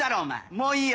もういいよ！